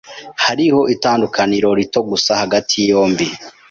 Hariho itandukaniro rito gusa hagati yombi.